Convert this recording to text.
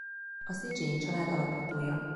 A Szécsényi család alapítója.